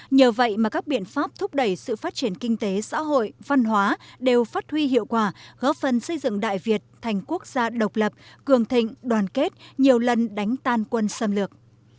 nhờ vậy mà các biện pháp thúc đẩy sự phát triển kinh tế xã hội văn hóa đều phát huy hiệu quả góp phần xây dựng đại việt thành quốc gia độc lập cường thịnh đoàn kết nhiều lần đánh tan quân xâm lược